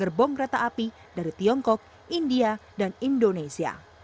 menimpor gerbuang kereta api dari tiongkok india dan indonesia